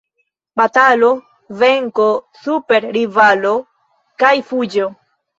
Batalo, venko super rivalo kaj fuĝo.